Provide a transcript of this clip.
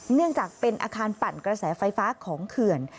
เนื่องจากเป็นอาคารปั่นกระแสไฟฟ้าของเขื่อน